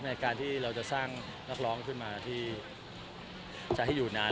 ในการที่เราจะสร้างนักร้องขึ้นมาที่จะให้อยู่นาน